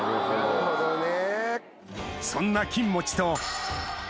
なるほどね。